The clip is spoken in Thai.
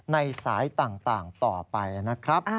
ในสายต่างต่อไปนะครับ